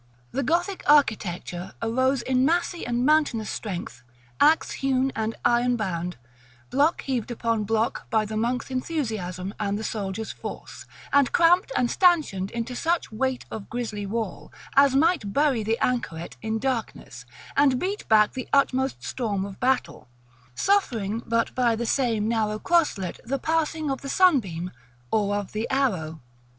The Gothic architecture arose in massy and mountainous strength, axe hewn, and iron bound, block heaved upon block by the monk's enthusiasm and the soldier's force; and cramped and stanchioned into such weight of grisly wall, as might bury the anchoret in darkness, and beat back the utmost storm of battle, suffering but by the same narrow crosslet the passing of the sunbeam, or of the arrow.